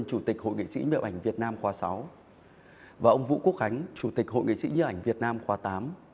chủ tịch hội nghị sĩ nhiệm ảnh việt nam khóa tám